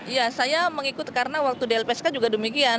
ya saya mengikut karena waktu di lpsk juga demikian